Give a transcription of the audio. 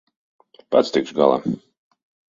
Pats tikšu galā.